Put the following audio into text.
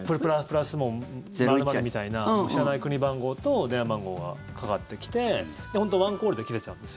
「＋○○」みたいな知らない国番号と電話番号がかかってきて、本当にワンコールで切れちゃうんです。